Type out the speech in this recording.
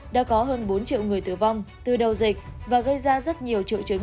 đã có hơn bốn triệu người tử vong từ đầu dịch và gây ra rất nhiều triệu chứng